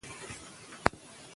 ایا پییر د خپلې شتمنۍ قدر کاوه؟